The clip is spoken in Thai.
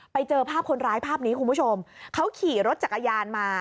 ไปเจอภาพคนร้ายภาพนี้คุณผู้ชมเขาขี่รถจักรยานมา